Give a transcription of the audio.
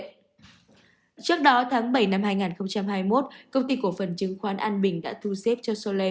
trước đó tháng bảy năm hai nghìn hai mươi một công ty cổ phần chứng khoán an bình đã thu xếp cho solei